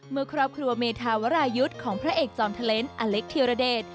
เมื่อครอบครัวเมธาวรายุทธ์ของพระเอกจอมเทลนด์อเล็กธิรเดช